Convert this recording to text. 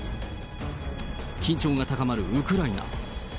緊張が高まるウクライナ。